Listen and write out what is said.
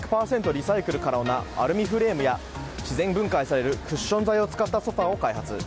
リサイクル可能なアルミフレームや自然分解されるクッション材を使ったソファを開発。